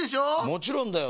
もちろんだよ。